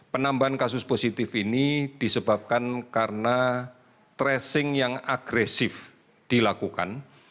penambahan kasus positif ini disebabkan karena tracing yang agresif dilakukan